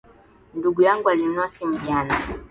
Ndugu yangu alinunua simu jana